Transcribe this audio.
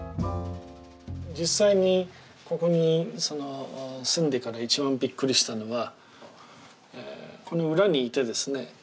実際にここに住んでから一番びっくりしたのはこの裏にいてですね